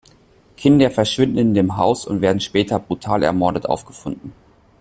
Kinder verschwinden in dem Haus und werden später brutal ermordet aufgefunden.